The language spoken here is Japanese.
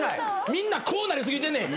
みんなこうなり過ぎてんねん。